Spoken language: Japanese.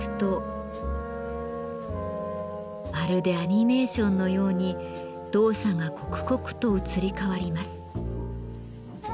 まるでアニメーションのように動作が刻々と移り変わります。